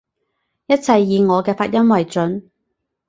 一切以我嘅發音爲準